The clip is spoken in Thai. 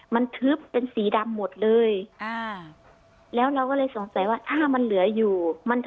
มันทึบเป็นสีดำหมดเลยอ่าแล้วเราก็เลยสงสัยว่าถ้ามันเหลืออยู่